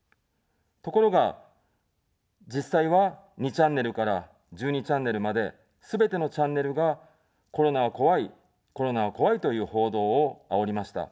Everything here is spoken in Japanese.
ところが、実際は２チャンネルから１２チャンネルまで、すべてのチャンネルがコロナは怖い、コロナは怖いという報道をあおりました。